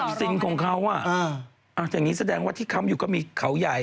ซับสินของเขาแบบนี้แสดงว่าที่ค้ำอยู่ก็มีเค้าใหญ่